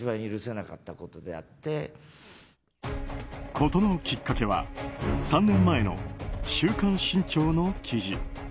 事のきっかけは３年前の「週刊新潮」の記事。